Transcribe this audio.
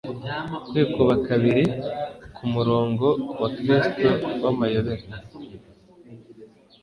Kwikuba kabiri kumurongo wa Kristo w'amayobera